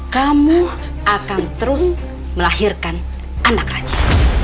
kamu akan terus melahirkan anak raja